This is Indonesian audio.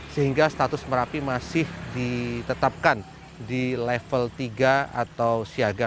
sehingga status merapi masih ditetapkan di level tiga atau siaga